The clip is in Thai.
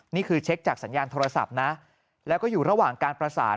นี่คือเช็คจากสัญญาณโทรศัพท์นะแล้วก็อยู่ระหว่างการประสาน